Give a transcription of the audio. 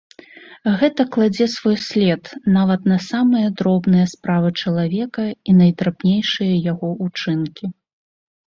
Гэта кладзе свой след нават на самыя дробныя справы чалавека і найдрабнейшыя яго ўчынкі.